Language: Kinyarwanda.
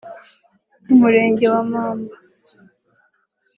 Umurenge wa Mamba